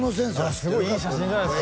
すごいいい写真じゃないす